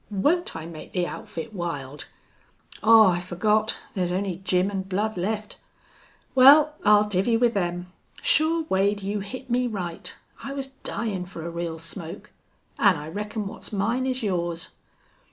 Won't I make the outfit wild? Aw, I forgot. Thar's only Jim an' Blud left. Wal, I'll divvy with them. Sure, Wade, you hit me right. I was dyin' fer a real smoke. An' I reckon what's mine is yours."